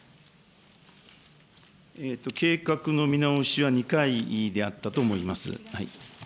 計画の見直しは２回であったと思います。